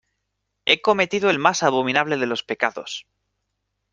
he cometido el más abominable de los pecados: